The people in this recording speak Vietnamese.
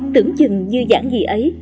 tưởng chừng như giảng gì ấy